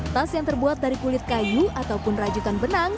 tas yang terbuat dari kulit kayu ataupun rajutan benang